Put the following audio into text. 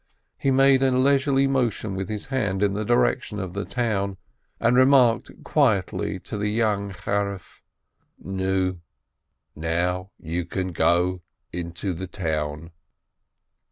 He made a leisurely motion with his hand in the direction of the town, and remarked quietly to the young Charif : "Nu, now you can go into the town